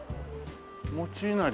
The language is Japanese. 「餅いなり」？